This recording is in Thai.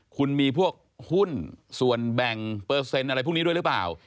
คุณมีพวกหุ้นส่วนแบ่งเปอร์เซ็นต์อะไรพวกนี้ด้วยหรือเปล่า